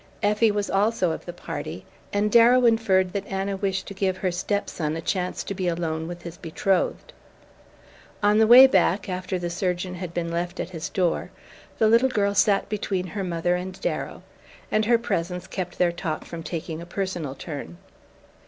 Effie was also of the party; and Darrow inferred that Anna wished to give her step son a chance to be alone with his betrothed. On the way back, after the surgeon had been left at his door, the little girl sat between her mother and Darrow, and her presence kept their talk from taking a personal turn.